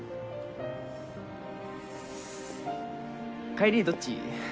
帰りどっち？